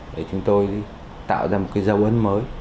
để chúng tôi tạo ra một dấu ấn mới